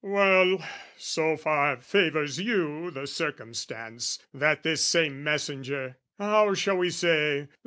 " Well, so far favours you the circumstance "That this same messenger...how shall we say?...